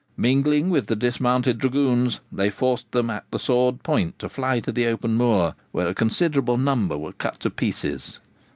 Mingling with the dismounted dragoons, they forced them, at the sword point, to fly to the open moor, where a considerable number were cut to pieces.